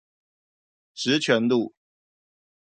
十全路